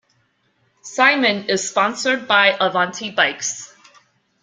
Simon is sponsored by Avanti Bikes.